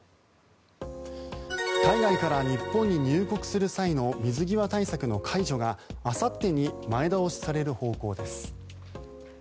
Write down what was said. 海外から日本に入国する際の水際対策の解除があさってに前倒しされる方向です。